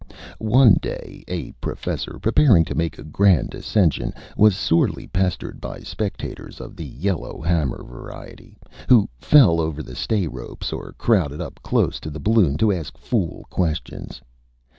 One day a Professor, preparing to make a Grand Ascension, was sorely pestered by Spectators of the Yellow Hammer Variety, who fell over the Stay Ropes or crowded up close to the Balloon to ask Fool Questions.